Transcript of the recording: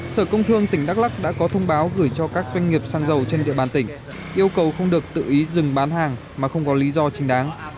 sở công thương tỉnh đắk lắc đã có thông báo gửi cho các doanh nghiệp xăng dầu trên địa bàn tỉnh yêu cầu không được tự ý dừng bán hàng mà không có lý do chính đáng